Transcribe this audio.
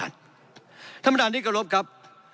ท่านประธานที่กรบครับ